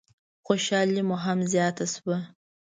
خوشحالي مو هم زیاته شوه.